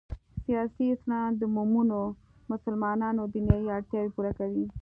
سیاسي اسلام د مومنو مسلمانانو دنیايي اړتیاوې پوره کوي.